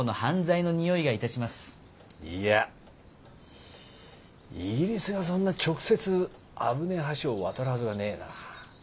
いやイギリスがそんな直接危ねえ橋を渡るはずがねえな。